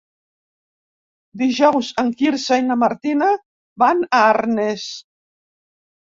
Dijous en Quirze i na Martina van a Arnes.